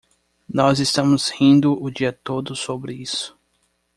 Nós estamos rindo o dia todo sobre isso.